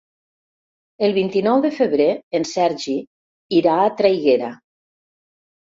El vint-i-nou de febrer en Sergi irà a Traiguera.